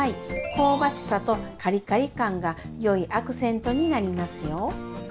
香ばしさとカリカリ感がよいアクセントになりますよ。